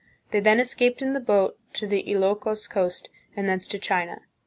They then escaped in the boat to the Ilokos coast and thence to China.